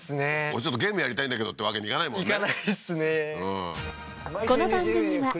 俺ちょっとゲームやりたいんだけどってわけにいかないもんね